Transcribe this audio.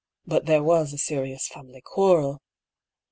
But there was a serious family quarrel.